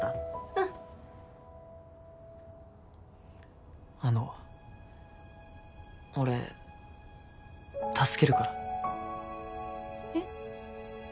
うんあの俺助けるからえっ？